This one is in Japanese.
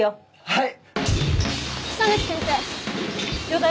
はい。